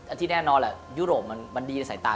ที่แน่นอนแหละยุโรปมันดีในสายตา